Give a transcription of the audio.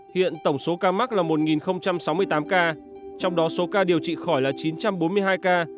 hiện tổng số ca mắc là một sáu mươi tám ca trong đó số ca điều trị khỏi là chín trăm bốn mươi hai ca